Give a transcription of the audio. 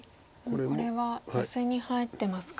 これはヨセに入ってますか。